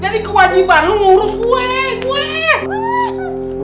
jadi kewajiban lo ngurus gue gue